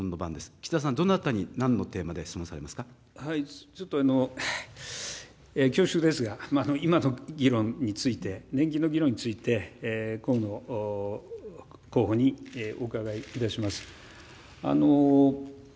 岸田さん、どなたに、なんのテーちょっと恐縮ですが、今の議論について、年金の議論について、河野候補にお伺いいたします。